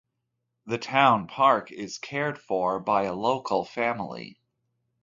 The town park is cared for by a local family.